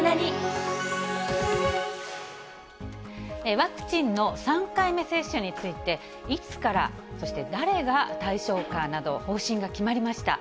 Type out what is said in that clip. ワクチンの３回目接種について、いつから、そして誰が対象かなど、方針が決まりました。